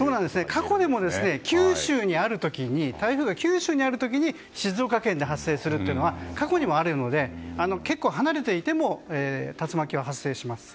過去にも台風が九州にある時に静岡県で発生するというのは過去にもあるので結構、離れていても竜巻は発生します。